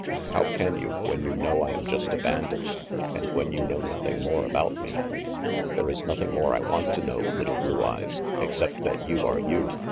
"How can you, when you know I am just a bandit, and when you know nothing more about me?" "There is nothing more I want to know, little Blue Eyes, except that you are you.